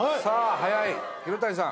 はやい廣谷さん